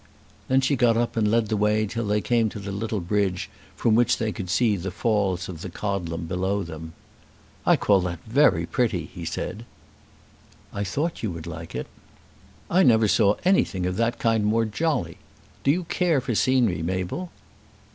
Then she got up and led the way till they came to the little bridge from which they could see the Falls of the Codlem below them. "I call that very pretty," he said. "I thought you would like it." "I never saw anything of that kind more jolly. Do you care for scenery, Mabel?"